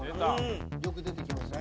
よく出てきますね。